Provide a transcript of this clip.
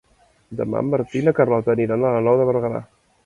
Demà en Martí i na Carlota aniran a la Nou de Berguedà.